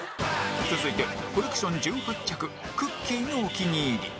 続いてコレクション１８着くっきー！のお気に入り